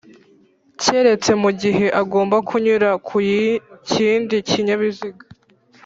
keretse mu gihe agomba kunyura ku kindi kinyabiziga